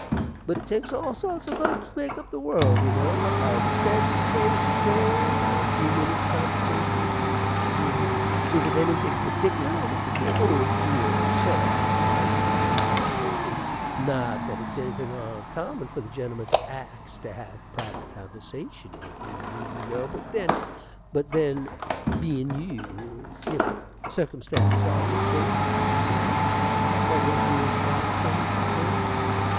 But it takes all sorts o' folks to make up the world, you know. What did I understand you to say, Mr. Crane? a few minnits' conversation with me? Deary me! Is it anything pertickler, Mr. Crane? Oh, dear suz! how you dew frustrate me! Not that it's anything oncommon fer the gentlemen to ax to have private conversations with me, you know; but then but then bein' you, it's different: circumstances alter cases, you know. What was you a gwine to say, Mr. Crane?